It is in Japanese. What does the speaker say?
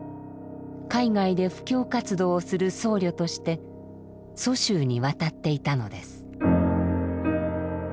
海外で布教活動をする僧侶として蘇州に渡っていたのです。